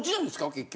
結局。